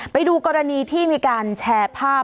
ไปดูกรณีที่มีการแชร์ภาพ